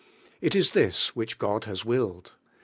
It is this which God has willed.